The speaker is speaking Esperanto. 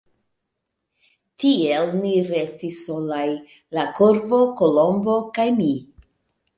Tiel ni restis solaj — la Korvo, Kolombo kaj mi.